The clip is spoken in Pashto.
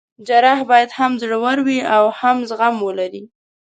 جراح باید هم زړه ور وي او هم زغم ولري.